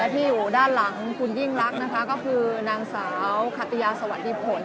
และที่อยู่ด้านหลังคุณยิ่งรักนะคะก็คือนางสาวคัตยาสวัสดีผลนะคะอดีตสอบบัญชีวรายชื่อภักดิ์เพื่อไทยค่ะ